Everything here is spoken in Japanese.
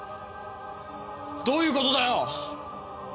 どういう事だよ！